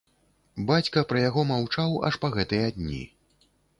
Бацька пра яго маўчаў аж па гэтыя дні.